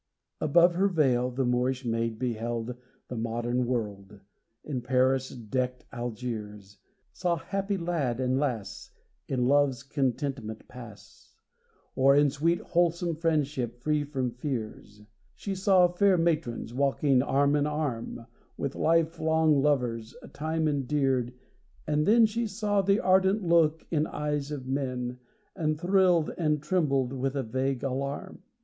Above her veil, the Moorish maid beheld The modern world, in Paris decked Algiers; Saw happy lad and lass, in love's contentment pass, Or in sweet wholesome friendship, free from fears. She saw fair matrons, walking arm in arm With life long lovers, time endeared, and then She saw the ardent look in eyes of men, And thrilled and trembled with a vague alarm.